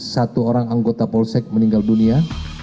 satu orang anggota polsek meninggal dunia